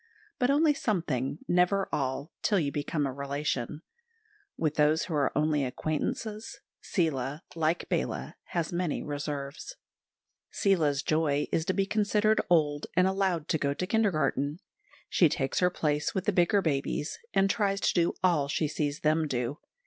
But only something, never all, till you become a relation; with those who are only acquaintances Seela, like Bala, has many reserves. Seela's joy is to be considered old and allowed to go to the kindergarten. She takes her place with the bigger babies, and tries to do all she sees them do.